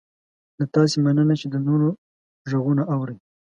له تاسې مننه چې د نورو غږونه اورئ